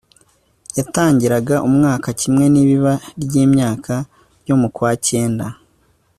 yatangiraga umwaka kimwe n'ibiba ry'imyaka ryo mu kwa kenda